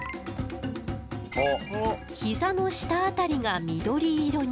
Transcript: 膝の下辺りが緑色に。